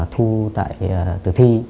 thu tại thử thi